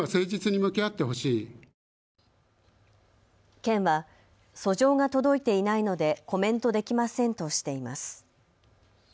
県は訴状が届いていないのでコメントできませんとしています。